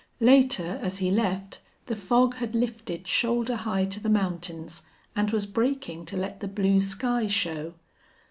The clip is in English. Later, as he left, the fog had lifted shoulder high to the mountains, and was breaking to let the blue sky show.